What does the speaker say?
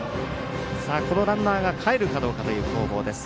このランナーがかえるかどうかという攻防です。